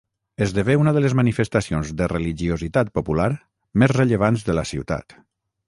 Esdevé una de les manifestacions de religiositat popular més rellevants de la ciutat.